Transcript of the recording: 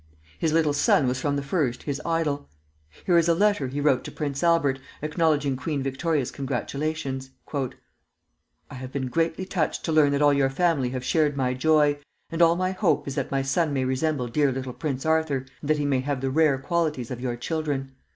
His little son was from the first his idol. Here is a letter he wrote to Prince Albert, acknowledging Queen Victoria's congratulations: "I have been greatly touched to learn that all your family have shared my joy, and all my hope is that my son may resemble dear little Prince Arthur, and that he may have the rare qualities of your children.